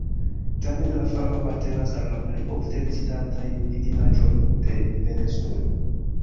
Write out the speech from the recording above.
Tamen la falo apartenas al la plej ofte vizitataj vidindaĵoj de Venezuelo.